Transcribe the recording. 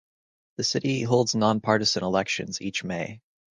The city holds nonpartisan elections each May.